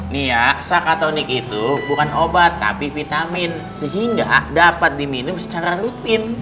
nia sakatonik itu bukan obat tapi vitamin sehingga dapat diminum secara rutin